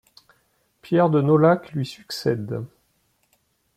Pierre de Nolhac lui succède.